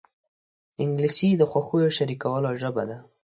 انګلیسي د خوښیو شریکولو ژبه ده